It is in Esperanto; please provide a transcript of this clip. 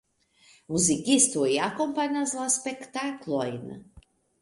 Muzikistoj akompanas la spektaklojn.